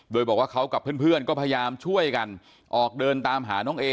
โดยบอกว่าเขากับเพื่อนก็พยายามช่วยกันออกเดินตามหาน้องเอ